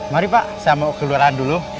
mari pak saya mau ke luar dulu